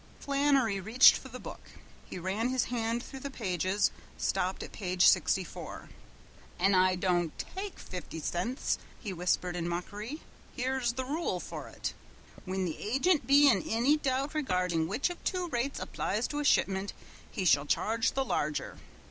Flannery reached for the book. He ran his hand through the pages and stopped at page sixty four. "An' I don't take fifty cints," he whispered in mockery. "Here's the rule for ut. 'Whin the agint be in anny doubt regardin' which of two rates applies to a shipment, he shall charge the larger.